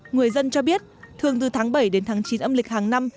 người dân cho biết thường từ tháng bảy đến tháng chín âm lịch hàng năm